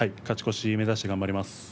勝ち越し目指して頑張ります。